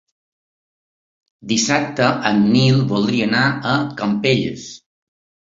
Dissabte en Nil voldria anar a Campelles.